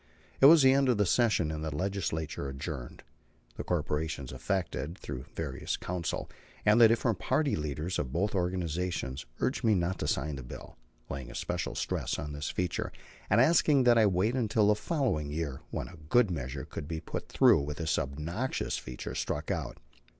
It was the end of the session, and the Legislature adjourned. The corporations affected, through various counsel, and the different party leaders of both organizations, urged me not to sign the bill, laying especial stress on this feature, and asking that I wait until the following year, when a good measure could be put through with this obnoxious feature struck out.